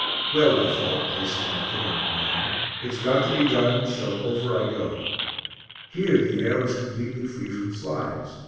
"Well," I thought, placing my kit on the ground, "it's got to be done; so over I go." Here the air was completely free from flies.